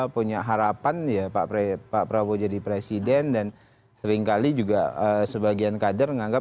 punya harapan ya pak prabowo jadi presiden dan seringkali juga sebagian kader menganggap